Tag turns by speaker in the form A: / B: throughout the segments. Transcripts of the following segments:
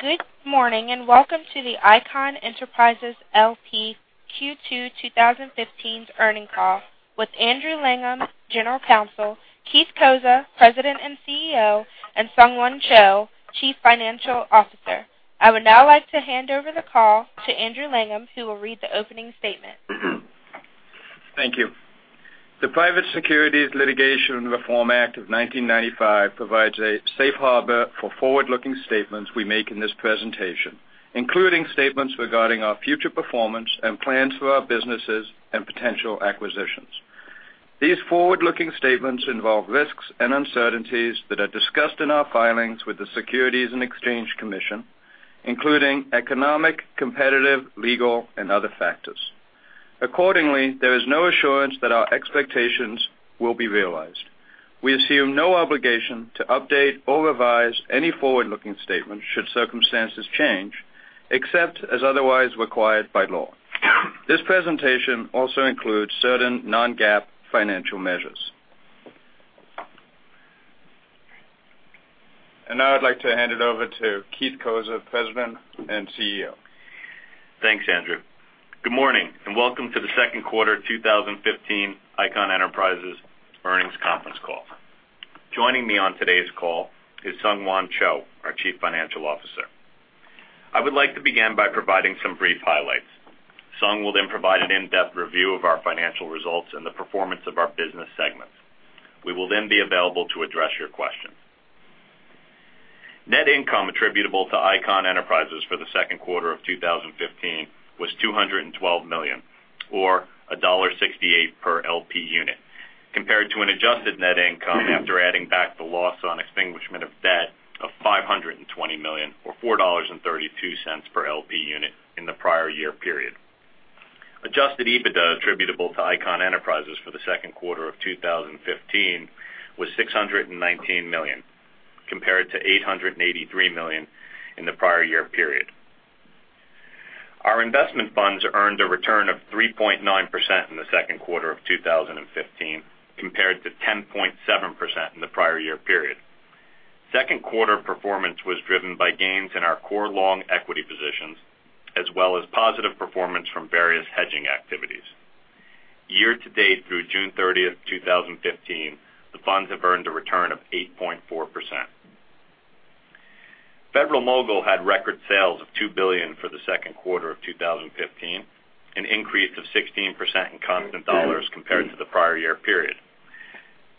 A: Good morning, welcome to the Icahn Enterprises L.P. Q2 2015 earnings call with Andrew Langham, General Counsel, Keith Cozza, President and CEO, and SungHwan Cho, Chief Financial Officer. I would now like to hand over the call to Andrew Langham, who will read the opening statement.
B: Thank you. The Private Securities Litigation Reform Act of 1995 provides a safe harbor for forward-looking statements we make in this presentation, including statements regarding our future performance and plans for our businesses and potential acquisitions. These forward-looking statements involve risks and uncertainties that are discussed in our filings with the Securities and Exchange Commission, including economic, competitive, legal, and other factors. Accordingly, there is no assurance that our expectations will be realized. We assume no obligation to update or revise any forward-looking statements should circumstances change, except as otherwise required by law. This presentation also includes certain non-GAAP financial measures. Now I'd like to hand it over to Keith Cozza, President and CEO.
C: Thanks, Andrew. Good morning, welcome to the second quarter 2015 Icahn Enterprises earnings conference call. Joining me on today's call is SungHwan Cho, our Chief Financial Officer. I would like to begin by providing some brief highlights. Sung will then provide an in-depth review of our financial results and the performance of our business segments. We will then be available to address your questions. Net income attributable to Icahn Enterprises for the second quarter of 2015 was $212 million, or $1.68 per L.P. unit, compared to an adjusted net income after adding back the loss on extinguishment of debt of $520 million or $4.32 per L.P. unit in the prior year period. Adjusted EBITDA attributable to Icahn Enterprises for the second quarter of 2015 was $619 million, compared to $883 million in the prior year period. Our investment funds earned a return of 3.9% in the second quarter of 2015, compared to 10.7% in the prior year period. Second quarter performance was driven by gains in our core long equity positions, as well as positive performance from various hedging activities. Year to date through June 30th, 2015, the funds have earned a return of 8.4%. Federal-Mogul had record sales of $2 billion for the second quarter of 2015, an increase of 16% in constant dollars compared to the prior year period.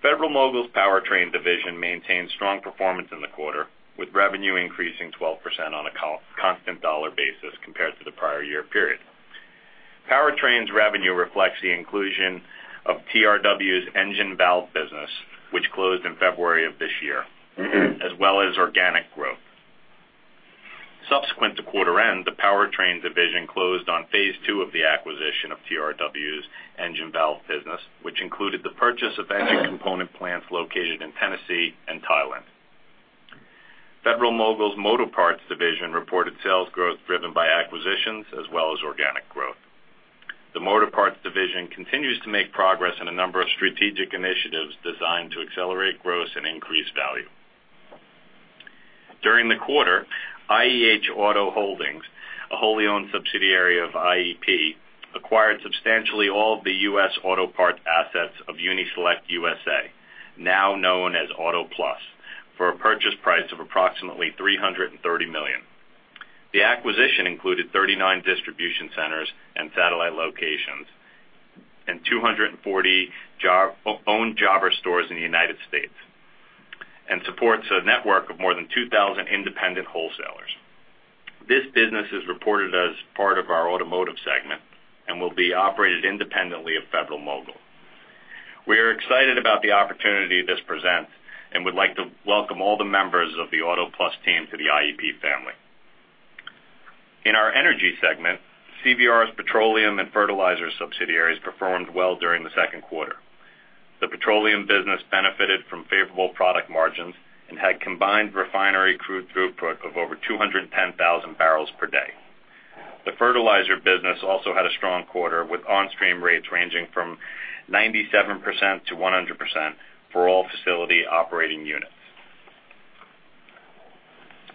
C: Federal-Mogul's Powertrain division maintained strong performance in the quarter, with revenue increasing 12% on a constant dollar basis compared to the prior year period. Powertrain's revenue reflects the inclusion of TRW's engine valve business, which closed in February of this year, as well as organic growth. Subsequent to quarter end, the Powertrain division closed on phase two of the acquisition of TRW's engine valve business, which included the purchase of engine component plants located in Tennessee and Thailand. Federal-Mogul's Motorparts division reported sales growth driven by acquisitions as well as organic growth. The Motorparts division continues to make progress on a number of strategic initiatives designed to accelerate growth and increase value. During the quarter, IEH Auto Holdings, a wholly owned subsidiary of IEP, acquired substantially all of the US auto parts assets of Uni-Select USA, now known as AutoPlus, for a purchase price of approximately $330 million. The acquisition included 39 distribution centers and satellite locations, and 240 owned jobber stores in the United States, and supports a network of more than 2,000 independent wholesalers. This business is reported as part of our Automotive segment and will be operated independently of Federal-Mogul. We are excited about the opportunity this presents and would like to welcome all the members of the AutoPlus team to the IEP family. In our Energy segment, CVR's petroleum and fertilizer subsidiaries performed well during the second quarter. The petroleum business benefited from favorable product margins and had combined refinery crude throughput of over 210,000 barrels per day. The fertilizer business also had a strong quarter, with on-stream rates ranging from 97%-100% for all facility operating units.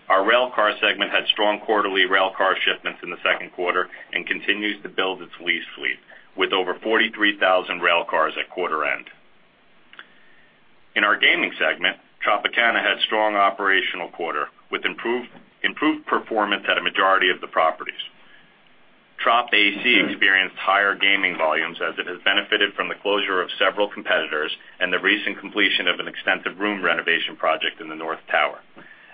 C: Our Railcar segment had strong quarterly railcar shipments in the second quarter and continues to build its lease fleet, with over 43,000 railcars at quarter end. In our Gaming segment, Tropicana had a strong operational quarter, with improved performance at a majority of the properties. Trop AC experienced higher gaming volumes as it has benefited from the closure of several competitors and the recent completion of an extensive room renovation project in the north tower,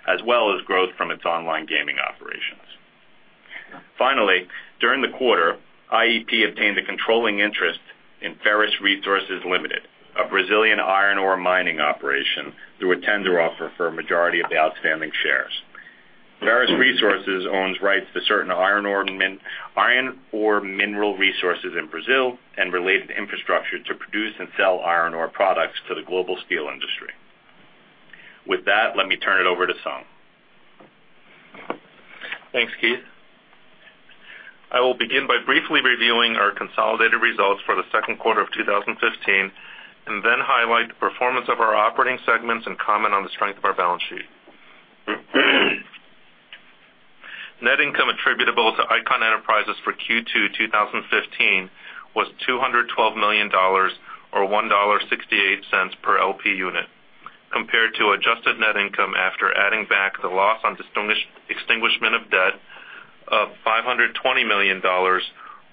C: as well as growth from its online gaming operations. Finally, during the quarter, IEP obtained a controlling interest in Ferrous Resources Limited, a Brazilian iron ore mining operation, through a tender offer for a majority of the outstanding shares. Ferrous Resources owns rights to certain iron ore mineral resources in Brazil and related infrastructure to produce and sell iron ore products to the global steel industry. With that, let me turn it over to Sung.
D: Thanks, Keith I will begin by briefly reviewing our consolidated results for the second quarter of 2015, then highlight the performance of our operating segments and comment on the strength of our balance sheet. Net income attributable to Icahn Enterprises for Q2 2015 was $212 million, or $1.68 per LP unit, compared to adjusted net income after adding back the loss on extinguishment of debt of $520 million,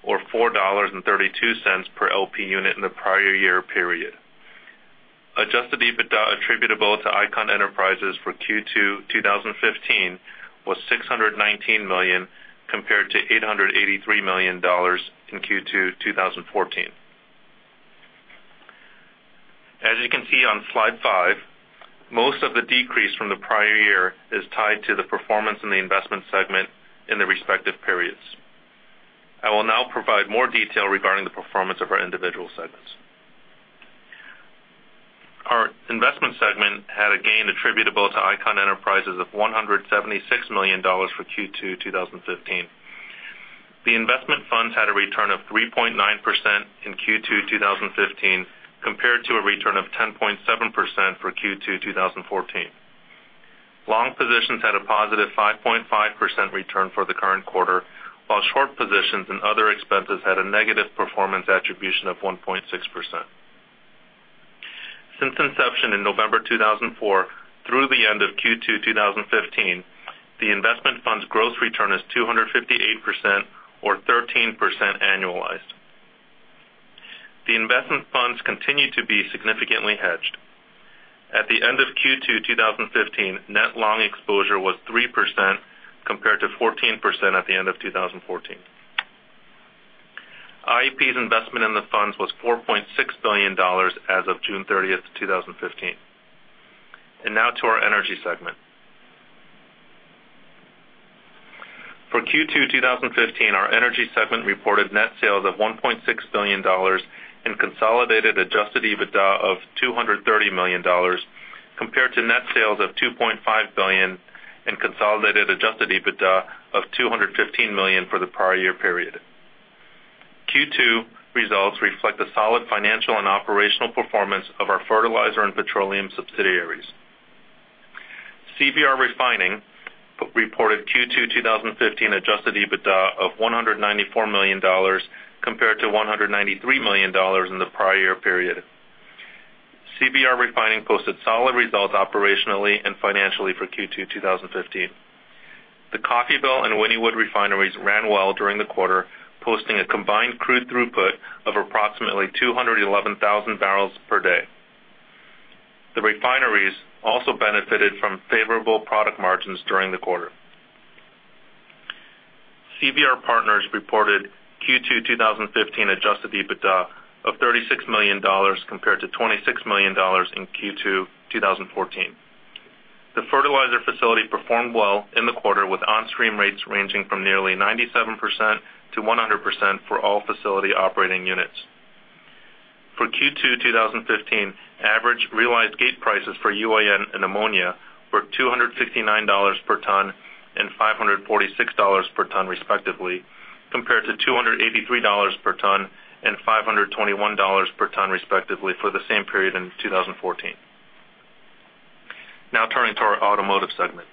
D: or $4.32 per LP unit in the prior year period. Adjusted EBITDA attributable to Icahn Enterprises for Q2 2015 was $619 million, compared to $883 million in Q2 2014. As you can see on slide five, most of the decrease from the prior year is tied to the performance in the investment segment in the respective periods. I will now provide more detail regarding the performance of our individual segments. Our investment segment had a gain attributable to Icahn Enterprises of $176 million for Q2 2015. The investment funds had a return of 3.9% in Q2 2015, compared to a return of 10.7% for Q2 2014. Long positions had a positive 5.5% return for the current quarter, while short positions and other expenses had a negative performance attribution of 1.6%. Since inception in November 2004 through the end of Q2 2015, the investment fund's gross return is 258%, or 13% annualized. The investment funds continue to be significantly hedged. At the end of Q2 2015, net long exposure was 3%, compared to 14% at the end of 2014. IEP's investment in the funds was $4.6 billion as of June 30th, 2015. Now to our energy segment. For Q2 2015, our energy segment reported net sales of $1.6 billion and consolidated adjusted EBITDA of $230 million, compared to net sales of $2.5 billion and consolidated adjusted EBITDA of $215 million for the prior year period. Q2 results reflect the solid financial and operational performance of our fertilizer and petroleum subsidiaries. CVR Refining reported Q2 2015 adjusted EBITDA of $194 million, compared to $193 million in the prior year period. CVR Refining posted solid results operationally and financially for Q2 2015. The Coffeyville and Wynnewood refineries ran well during the quarter, posting a combined crude throughput of approximately 211,000 barrels per day. The refineries also benefited from favorable product margins during the quarter. CVR Partners reported Q2 2015 adjusted EBITDA of $36 million compared to $26 million in Q2 2014. The fertilizer facility performed well in the quarter, with on-stream rates ranging from nearly 97%-100% for all facility operating units. For Q2 2015, average realized gate prices for UAN and ammonia were $269 per ton and $546 per ton respectively, compared to $283 per ton and $521 per ton respectively for the same period in 2014. Now turning to our automotive segment.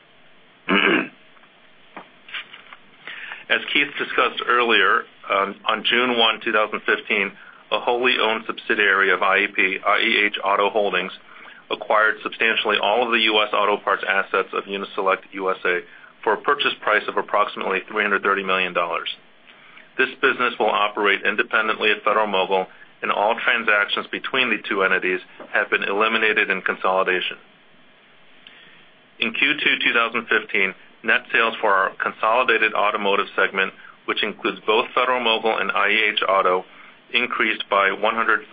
D: As Keith discussed earlier, on June 1, 2015, a wholly owned subsidiary of IEH Auto Holdings acquired substantially all of the U.S. auto parts assets of Uni-Select USA for a purchase price of approximately $330 million. This business will operate independently of Federal-Mogul, and all transactions between the two entities have been eliminated in consolidation. In Q2 2015, net sales for our consolidated automotive segment, which includes both Federal-Mogul and IEH Auto, increased by $144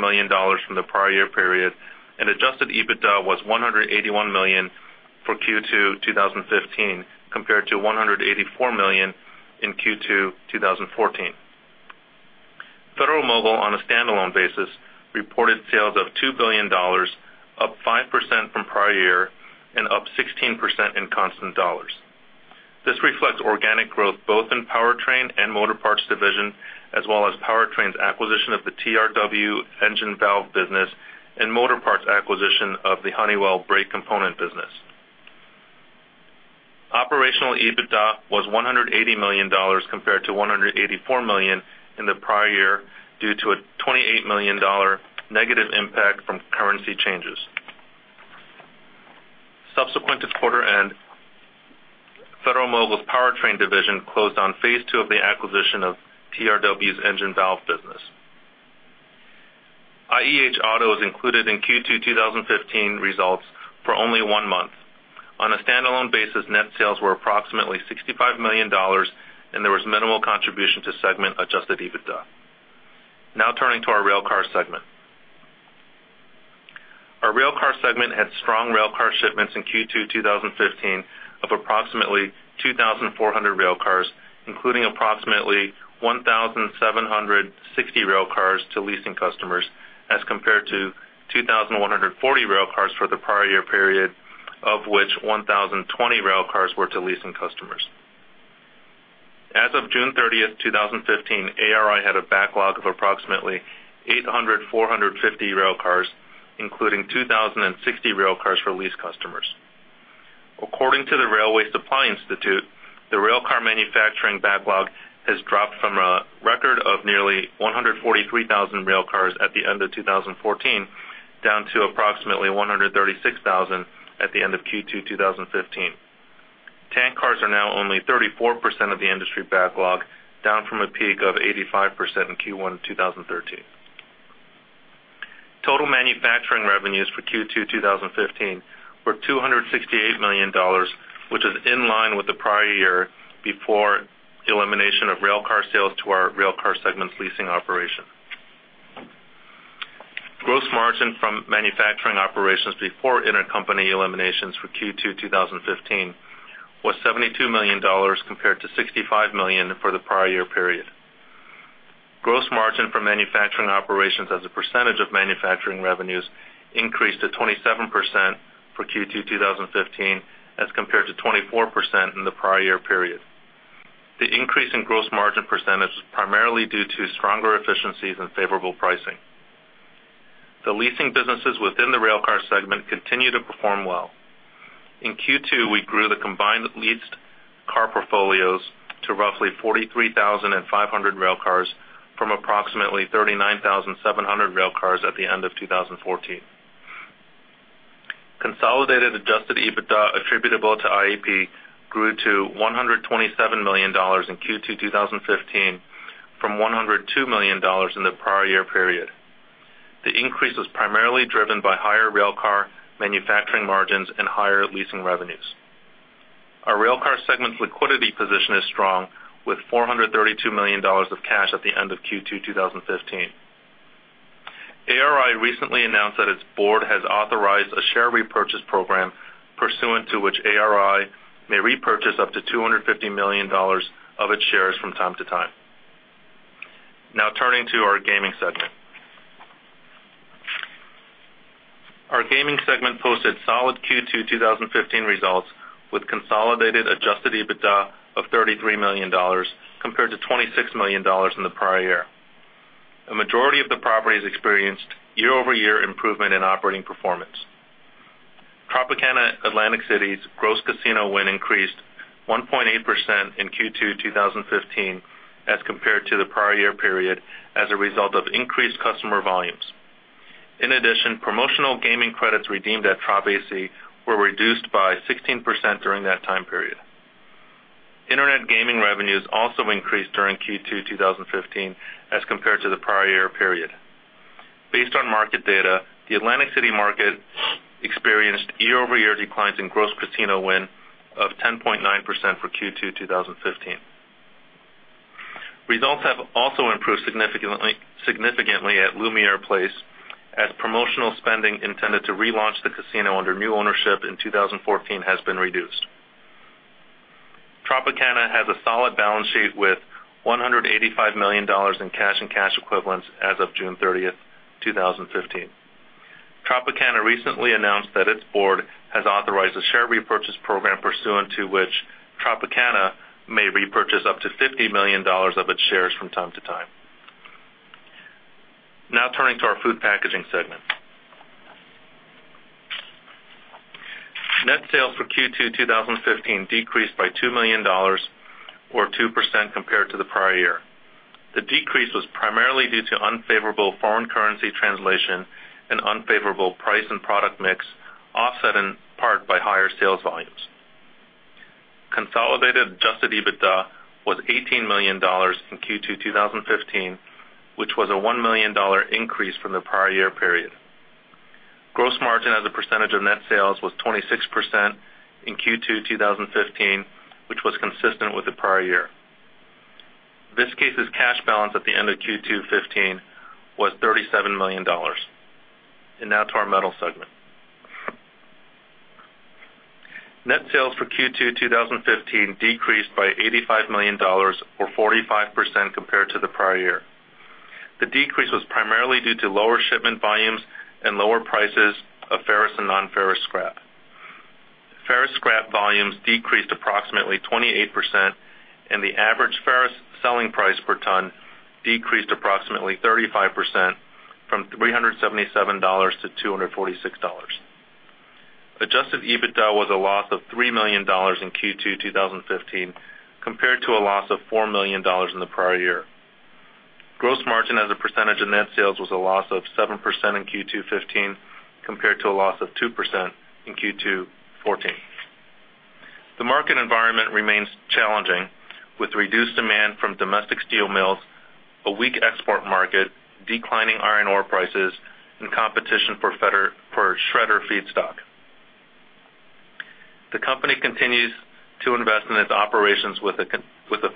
D: million from the prior year period, and adjusted EBITDA was $181 million for Q2 2015, compared to $184 million in Q2 2014. Federal-Mogul, on a standalone basis, reported sales of $2 billion, up 5% from prior year and up 16% in constant dollars. This reflects organic growth both in Powertrain and Motorparts division, as well as Powertrain's acquisition of the TRW engine valve business and Motorparts acquisition of the Honeywell brake component business. Operational EBITDA was $180 million, compared to $184 million in the prior year, due to a $28 million negative impact from currency changes. Subsequent to quarter end, Federal-Mogul's Powertrain division closed on phase two of the acquisition of TRW's engine valve business. IEH Auto is included in Q2 2015 results for only one month. On a standalone basis, net sales were approximately $65 million, and there was minimal contribution to segment adjusted EBITDA. Turning to our railcar segment. Our railcar segment had strong railcar shipments in Q2 2015 of approximately 2,400 railcars, including approximately 1,760 railcars to leasing customers, as compared to 2,140 railcars for the prior year period, of which 1,020 railcars were to leasing customers. As of June 30th, 2015, ARI had a backlog of approximately 8,450 railcars, including 2,060 railcars for lease customers. According to the Railway Supply Institute, the railcar manufacturing backlog has dropped from a record of nearly 143,000 railcars at the end of 2014, down to approximately 136,000 at the end of Q2 2015. Tank cars are now only 34% of the industry backlog, down from a peak of 85% in Q1 2013. Total manufacturing revenues for Q2 2015 were $268 million, which is in line with the prior year before the elimination of railcar sales to our railcar segment's leasing operation. Gross margin from manufacturing operations before intercompany eliminations for Q2 2015 was $72 million, compared to $65 million for the prior year period. Gross margin from manufacturing operations as a percentage of manufacturing revenues increased to 27% for Q2 2015 as compared to 24% in the prior year period. The increase in gross margin percentage was primarily due to stronger efficiencies and favorable pricing. The leasing businesses within the railcar segment continue to perform well. In Q2, we grew the combined leased car portfolios to roughly 43,500 railcars from approximately 39,700 railcars at the end of 2014. Consolidated adjusted EBITDA attributable to IEP grew to $127 million in Q2 2015 from $102 million in the prior year period. The increase was primarily driven by higher railcar manufacturing margins and higher leasing revenues. Our railcar segment's liquidity position is strong, with $432 million of cash at the end of Q2 2015. ARI recently announced that its board has authorized a share repurchase program, pursuant to which ARI may repurchase up to $250 million of its shares from time to time. Turning to our gaming segment. Our gaming segment posted solid Q2 2015 results with consolidated adjusted EBITDA of $33 million, compared to $26 million in the prior year. A majority of the properties experienced year-over-year improvement in operating performance. Tropicana Atlantic City's gross casino win increased 1.8% in Q2 2015 as compared to the prior year period, as a result of increased customer volumes. In addition, promotional gaming credits redeemed at Trop AC were reduced by 16% during that time period. Internet gaming revenues also increased during Q2 2015 as compared to the prior year period. Based on market data, the Atlantic City market experienced year-over-year declines in gross casino win of 10.9% for Q2 2015. Results have also improved significantly at Lumière Place as promotional spending intended to relaunch the casino under new ownership in 2014 has been reduced. Tropicana has a solid balance sheet with $185 million in cash and cash equivalents as of June 30th, 2015. Tropicana recently announced that its board has authorized a share repurchase program, pursuant to which Tropicana may repurchase up to $50 million of its shares from time to time. Turning to our food packaging segment. Net sales for Q2 2015 decreased by $2 million, or 2% compared to the prior year. The decrease was primarily due to unfavorable foreign currency translation and unfavorable price and product mix, offset in part by higher sales volumes. Consolidated adjusted EBITDA was $18 million in Q2 2015, which was a $1 million increase from the prior year period. Gross margin as a percentage of net sales was 26% in Q2 2015, which was consistent with the prior year. Viskase's cash balance at the end of Q2 '15 was $37 million. Now to our metal segment. Net sales for Q2 2015 decreased by $85 million, or 45% compared to the prior year. The decrease was primarily due to lower shipment volumes and lower prices of ferrous and non-ferrous scrap. Ferrous scrap volumes decreased approximately 28%, and the average ferrous selling price per ton decreased approximately 35%, from $377 to $246. Adjusted EBITDA was a loss of $3 million in Q2 2015, compared to a loss of $4 million in the prior year. Gross margin as a percentage of net sales was a loss of 7% in Q2 '15 compared to a loss of 2% in Q2 '14. The market environment remains challenging, with reduced demand from domestic steel mills, a weak export market, declining iron ore prices, and competition for shredder feedstock. The company continues to invest in its operations with a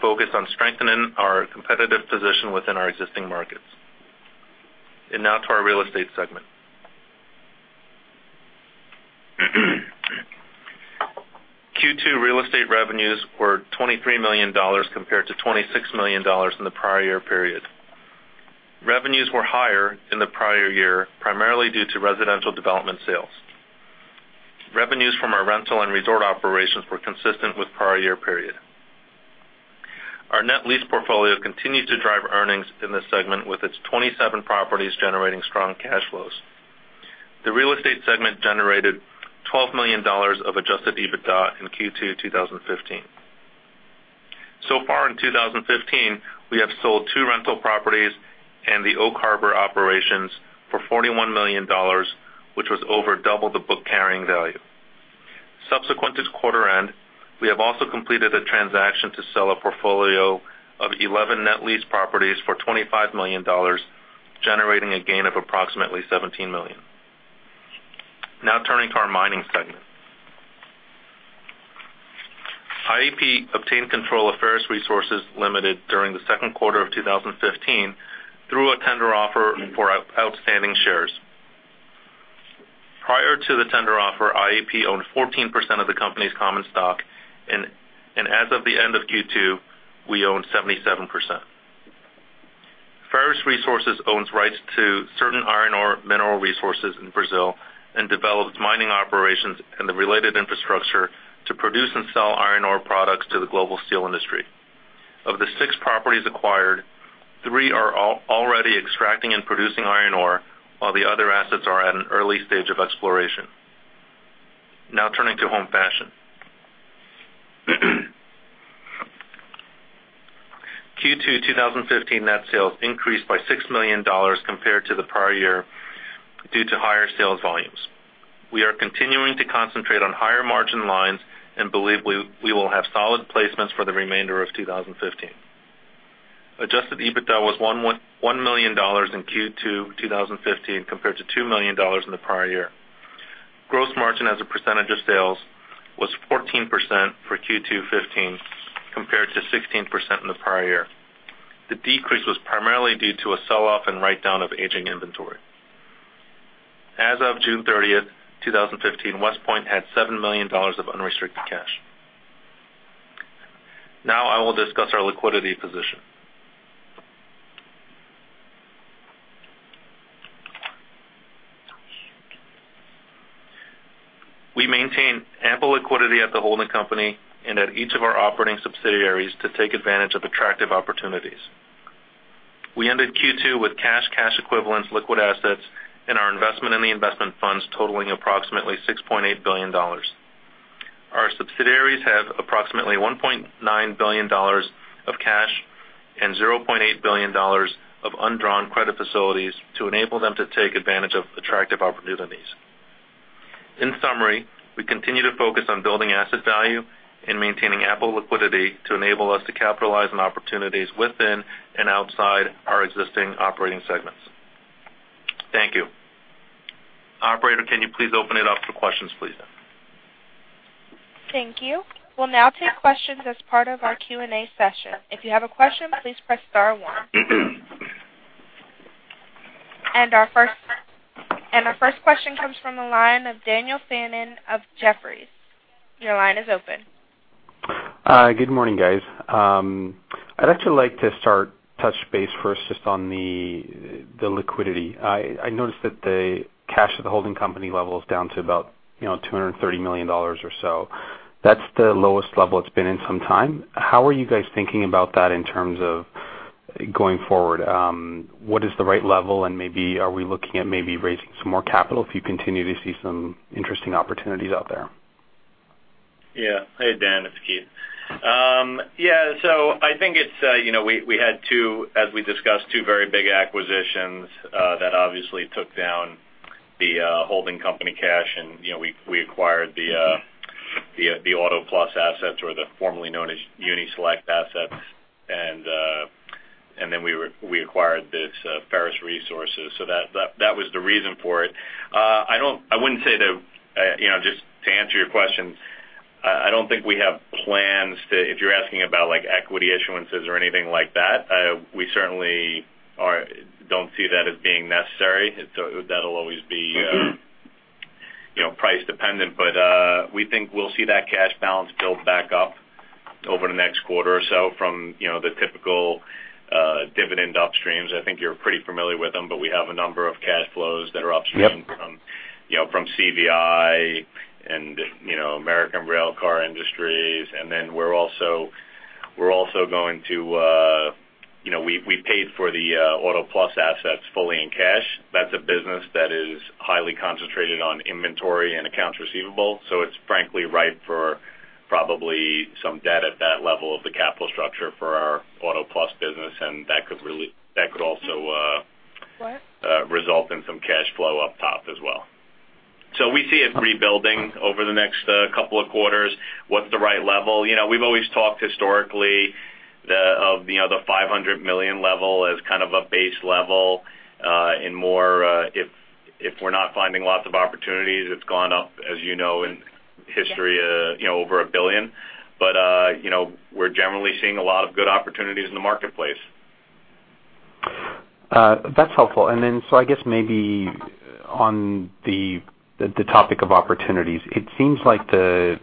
D: focus on strengthening our competitive position within our existing markets. Now to our real estate segment. Q2 real estate revenues were $23 million compared to $26 million in the prior year period. Revenues were higher than the prior year, primarily due to residential development sales. Revenues from our rental and resort operations were consistent with prior year period. Our net lease portfolio continues to drive earnings in this segment, with its 27 properties generating strong cash flows. The real estate segment generated $12 million of adjusted EBITDA in Q2 2015. So far in 2015, we have sold two rental properties and the Oak Harbor operations for $41 million, which was over double the book carrying value. Subsequent to quarter end, we have also completed a transaction to sell a portfolio of 11 net lease properties for $25 million, generating a gain of approximately $17 million. Turning to our mining segment. IEP obtained control of Ferrous Resources Limited during the second quarter of 2015 through a tender offer for outstanding shares. Prior to the tender offer, IEP owned 14% of the company's common stock, and as of the end of Q2, we own 77%. Ferrous Resources owns rights to certain iron ore mineral resources in Brazil, and develops mining operations and the related infrastructure to produce and sell iron ore products to the global steel industry. Of the six properties acquired, three are already extracting and producing iron ore, while the other assets are at an early stage of exploration. Turning to Home Fashion. Q2 2015 net sales increased by $6 million compared to the prior year due to higher sales volumes. We are continuing to concentrate on higher margin lines and believe we will have solid placements for the remainder of 2015. Adjusted EBITDA was $1 million in Q2 2015, compared to $2 million in the prior year. Gross margin as a percentage of sales was 14% for Q2 '15, compared to 16% in the prior year. The decrease was primarily due to a sell-off and write-down of aging inventory. As of June 30th, 2015, Westpoint had $7 million of unrestricted cash. I will discuss our liquidity position. We maintain ample liquidity at the holding company and at each of our operating subsidiaries to take advantage of attractive opportunities. We ended Q2 with cash equivalents, liquid assets, and our investment in the investment funds totaling approximately $6.8 billion. Our subsidiaries have approximately $1.9 billion of cash and $0.8 billion of undrawn credit facilities to enable them to take advantage of attractive opportunities. In summary, we continue to focus on building asset value and maintaining ample liquidity to enable us to capitalize on opportunities within and outside our existing operating segments. Thank you. Operator, can you please open it up for questions, please?
A: Thank you. We'll now take questions as part of our Q&A session. If you have a question, please press star one. Our first question comes from the line of Daniel Fannon of Jefferies. Your line is open.
E: Good morning, guys. I'd actually like to start, touch base first just on the liquidity. I noticed that the cash at the holding company level is down to about $230 million or so. That's the lowest level it's been in some time. How are you guys thinking about that in terms of going forward? What is the right level, and maybe are we looking at maybe raising some more capital if you continue to see some interesting opportunities out there?
C: Hey, Dan, it's Keith. I think we had two, as we discussed, very big acquisitions that obviously took down the holding company cash. We acquired the Auto Plus assets or the formerly known as Uni-Select assets. Then we acquired this Ferrous Resources. That was the reason for it. Just to answer your question, I do not think we have plans to. If you are asking about equity issuances or anything like that, we certainly do not see that as being necessary. That will always be price dependent. We think we will see that cash balance build back up over the next quarter or so from the typical dividend upstreams. I think you are pretty familiar with them, we have a number of cash flows that are upstream-
E: Yep
C: from CVI and American Railcar Industries. Then we paid for the Auto Plus assets fully in cash. That is a business that is highly concentrated on inventory and accounts receivable. It is frankly ripe for probably some debt at that level of the capital structure for our Auto Plus business. That could also-
A: What?
C: result in some cash flow up top as well. We see it rebuilding over the next couple of quarters. What is the right level? We have always talked historically of the $500 million level as kind of a base level. More, if we are not finding lots of opportunities, it has gone up, as you know, in history over $1 billion. We are generally seeing a lot of good opportunities in the marketplace.
E: That is helpful. I guess maybe on the topic of opportunities, it seems like the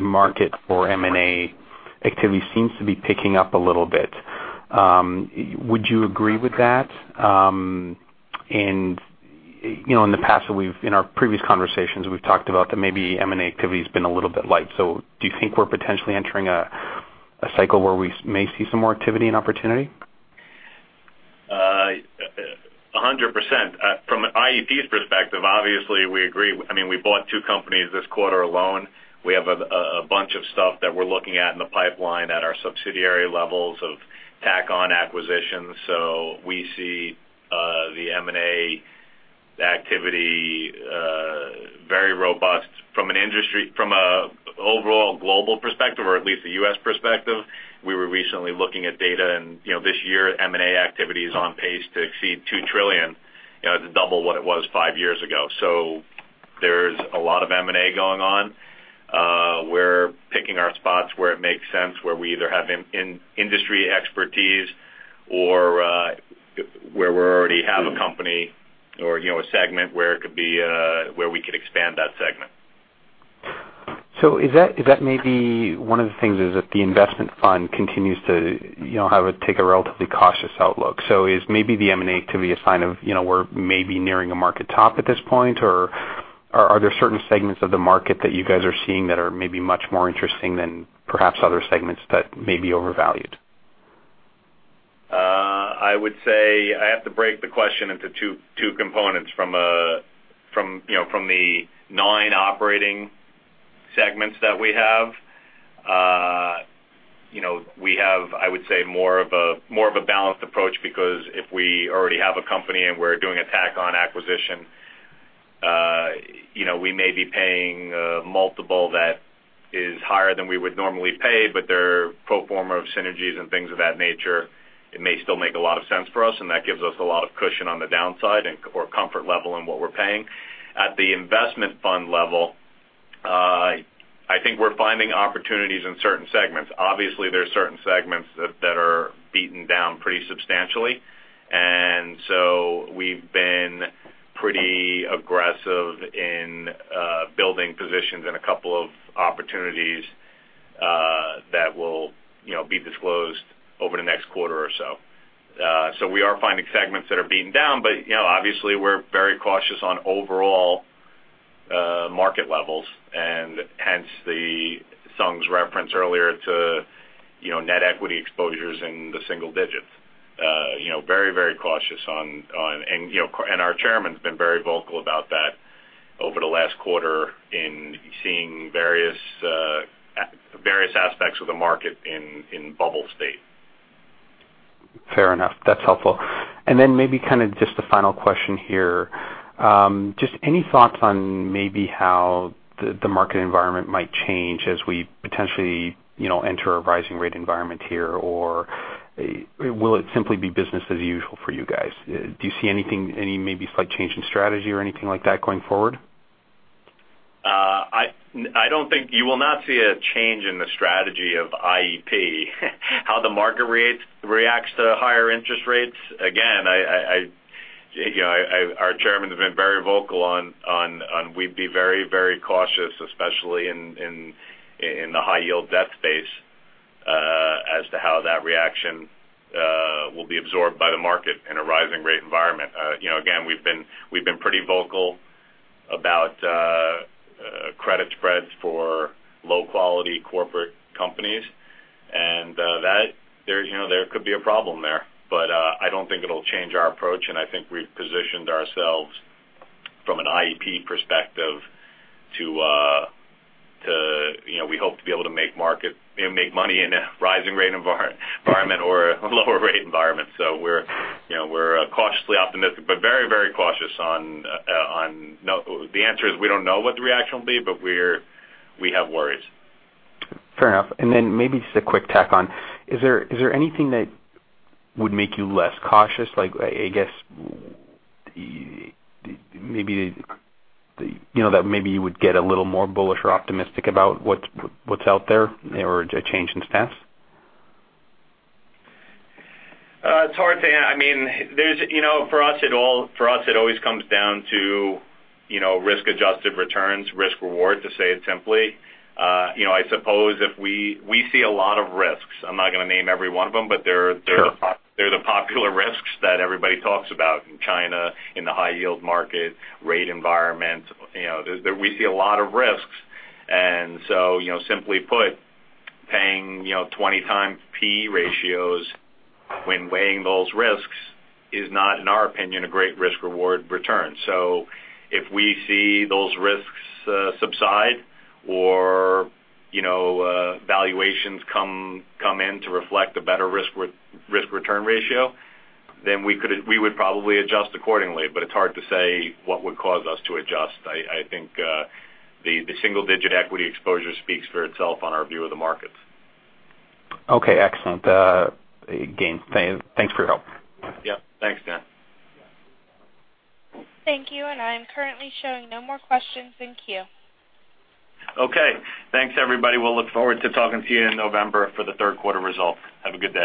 E: market for M&A activity seems to be picking up a little bit. Would you agree with that? In the past, in our previous conversations, we have talked about that maybe M&A activity has been a little bit light. Do you think we are potentially entering a cycle where we may see some more activity and opportunity?
C: 100%. From an IEP's perspective, obviously we agree. We bought two companies this quarter alone. We have a bunch of stuff that we're looking at in the pipeline at our subsidiary levels of tack-on acquisitions. We see the M&A activity very robust. From an overall global perspective, or at least the U.S. perspective, we were recently looking at data, and this year, M&A activity is on pace to exceed $2 trillion. It's double what it was five years ago. There's a lot of M&A going on. We're picking our spots where it makes sense, where we either have industry expertise or where we already have a company or a segment where we could expand that segment.
E: Is that maybe one of the things is that the investment fund continues to take a relatively cautious outlook. Is maybe the M&A activity a sign of we're maybe nearing a market top at this point? Are there certain segments of the market that you guys are seeing that are maybe much more interesting than perhaps other segments that may be overvalued?
C: I would say I have to break the question into two components. From the nine operating segments that we have, we have, I would say, more of a balanced approach because if we already have a company and we're doing a tack-on acquisition, we may be paying a multiple that is higher than we would normally pay, but their pro forma of synergies and things of that nature, it may still make a lot of sense for us, and that gives us a lot of cushion on the downside or comfort level in what we're paying. At the investment fund level, I think we're finding opportunities in certain segments. Obviously, there are certain segments that are beaten down pretty substantially, we've been pretty aggressive in building positions in a couple of opportunities that will be disclosed over the next quarter or so. We are finding segments that are beaten down, obviously we're very cautious on overall market levels, and hence the Sung's reference earlier to net equity exposures in the single digits. Very cautious. Our chairman's been very vocal about that over the last quarter in seeing various aspects of the market in bubble state.
E: Fair enough. That's helpful. Maybe just a final question here. Any thoughts on maybe how the market environment might change as we potentially enter a rising rate environment here, or will it simply be business as usual for you guys? Do you see any maybe slight change in strategy or anything like that going forward?
C: You will not see a change in the strategy of IEP. How the market reacts to higher interest rates, again, our chairman has been very, very vocal on we'd be very, very cautious, especially in the high yield debt space as to how that reaction will be absorbed by the market in a rising rate environment. Again, we've been pretty vocal about credit spreads for low-quality corporate companies, and there could be a problem there. I don't think it'll change our approach, and I think we've positioned ourselves from an IEP perspective. We hope to be able to make money in a rising rate environment or a lower rate environment. We're cautiously optimistic, but very, very cautious. The answer is we don't know what the reaction will be, but we have worries.
E: Fair enough. Maybe just a quick tack-on. Is there anything that would make you less cautious? That maybe you would get a little more bullish or optimistic about what's out there or a change in stance?
C: It's hard. For us, it always comes down to risk-adjusted returns, risk/reward, to say it simply. We see a lot of risks. I'm not going to name every one of them.
E: Sure
C: they're the popular risks that everybody talks about in China, in the high yield market, rate environment. We see a lot of risks. Simply put, paying 20 times P/E ratios when weighing those risks is not, in our opinion, a great risk/reward return. If we see those risks subside or valuations come in to reflect a better risk return ratio, then we would probably adjust accordingly. It's hard to say what would cause us to adjust. I think the single-digit equity exposure speaks for itself on our view of the markets.
E: Okay, excellent. Again, thanks for your help.
C: Yeah. Thanks, Dan.
A: Thank you. I am currently showing no more questions in queue.
C: Okay. Thanks, everybody. We'll look forward to talking to you in November for the third quarter results. Have a good day.